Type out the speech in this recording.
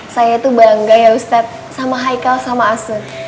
saya tuh bangga ya ustadz sama haikal sama asud